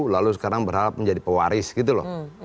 lalu sekarang berharap menjadi pewaris gitu loh